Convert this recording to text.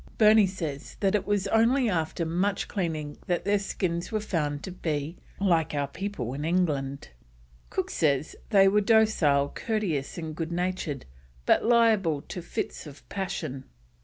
Burney says that it was only after much cleaning that their skins were found to be "like our people in England." Cook says they were docile, courteous, and good natured, but liable to fits of passion.